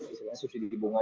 istilahnya subsidi bunga